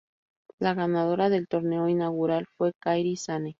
La ganadora del torneo inaugural fue Kairi Sane.